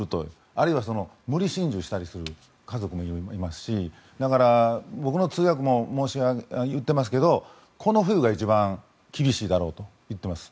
あるいは無理心中したりする家族もいますしだから、僕の通訳も言っていますけどこの冬が一番厳しいだろうと言っています。